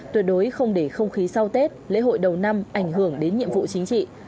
tuyệt đối không để không khí sau tết lễ hội đầu năm ảnh hưởng đến nhiệm vụ chính trị